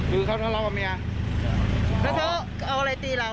คือเขาทำรอบกับเบียบเว้าเขาเอาเอาอะไรตีเราอ่ะ